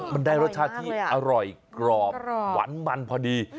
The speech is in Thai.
มันได้รสชาติที่อร่อยกรอบหวานมันพอดี